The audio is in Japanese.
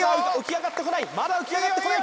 まだ浮き上がってこない